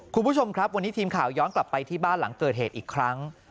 คุณผู้ชมครับวันนี้ทีมข่าวย้อนกลับไปที่บ้านหลังเกิดเหตุอีกครั้ง